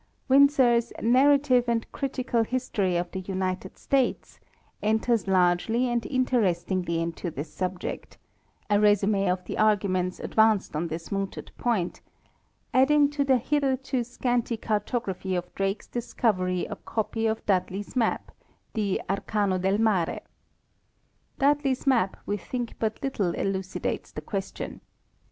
Winsor's Narrative and Critical History of the United States enters largely and interestingly into this subject—a résumé of the arguments advanced on this mooted point—adding to the hitherto scanty cartography of Drake's discovery a copy of Dud ley's map, the Arcano del Mare. Dudley's map we think but little elucidates the question.